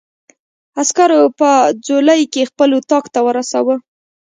عسکرو په ځولۍ کې خپل اتاق ته ورساوه.